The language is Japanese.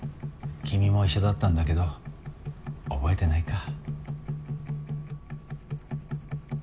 君も一緒だったんだけど覚えてないか。